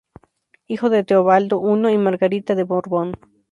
Hijo de Teobaldo I y Margarita de Borbón.